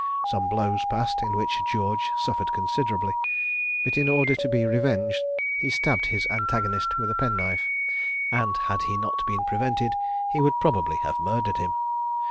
Some blows passed, in which George suffered considerably; but in order to be revenged, he stabbed his antagonist with a penknife; and had he not been prevented, would probably have murdered him.